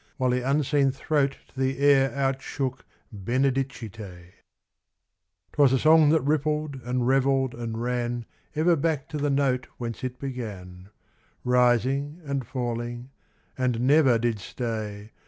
While the unseen throat to the air outshook Benedicite. VIII 'Twas a song that rippled, and revelled, and ran Ever back to the note whence it began ; Rising, and falling, and never did stay.